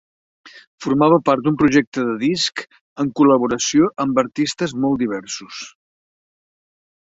Formava part d'un projecte de disc en col·laboració amb artistes molt diversos.